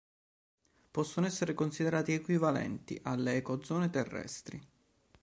Possono essere considerati equivalenti alle ecozone terrestri.